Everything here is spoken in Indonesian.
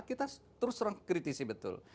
kita terus terang kritisi betul